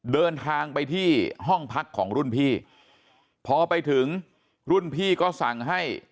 เดินทางไปที่ห้องพักของรุ่นพี่พอไปถึงรุ่นพี่ก็สั่งให้